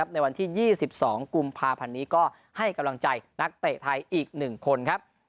ในวันที่๒๒กุมภาพันธ์นี้ก็ให้กำลังใจนักเตะไทยอีก๑คนครับ